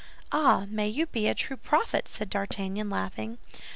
"Ah, may you be a true prophet!" said D'Artagnan, laughing.